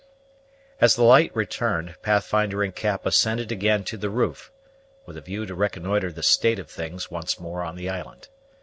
As the light returned, Pathfinder and Cap ascended again to the roof, with a view to reconnoitre the state of things once more on the island.